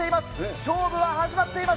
勝負は始まっています。